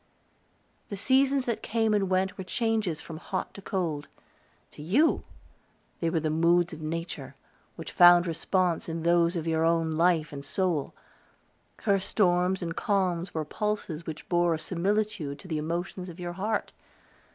The seasons that came and went were changes from hot to cold; to you, they were the moods of nature, which found response in those of your own life and soul; her storms and calms were pulses which bore a similitude to the emotions of your heart!